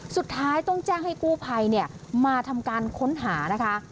สุดท้ายต้องแจ้งให้กู้ภัยมาทำการค้นหานะคะ